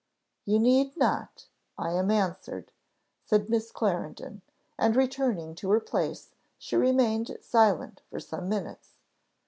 "You need not I am answered," said Miss Clarendon; and returning to her place, she remained silent for some minutes.